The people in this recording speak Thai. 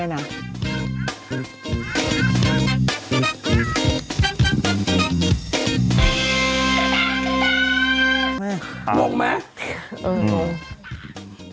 หนูงมั้ย